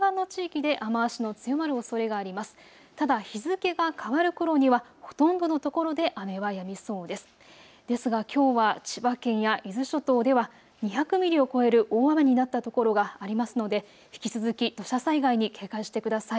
ですが、きょうは千葉県や伊豆諸島では２００ミリを超える大雨になったところがありますので引き続き土砂災害に警戒してください。